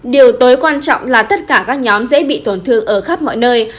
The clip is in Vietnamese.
điều tối quan trọng là tất cả các nhóm dễ bị tổn thương ở khắp mọi nơi